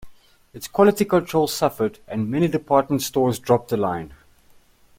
Its quality control suffered, and many department stores dropped the line.